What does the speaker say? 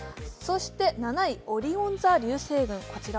７位、オリオン座流星群。